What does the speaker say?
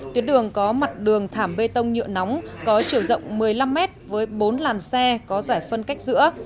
tuyến đường có mặt đường thảm bê tông nhựa nóng có chiều rộng một mươi năm mét với bốn làn xe có giải phân cách giữa